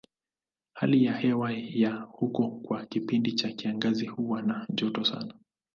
Hali ya hewa ya huko kwa kipindi cha kiangazi huwa na joto sana.